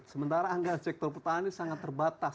sementara anggaran sektor pertahanan ini sangat terbatas